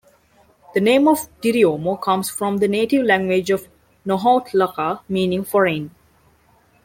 The name of Diriomo comes from the native language of Nahuatlaca, meaning foreign.